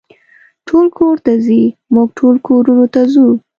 ټول کور ته ځي، موږ ټول کورونو ته ځو.